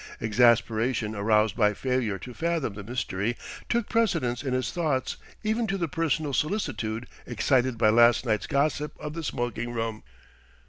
Exasperation aroused by failure to fathom the mystery took precedence in his thoughts even to the personal solicitude excited by last night's gossip of the smoking room....